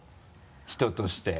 人として。